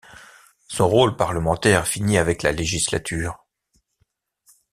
Son rôle parlementaire finit avec la législature.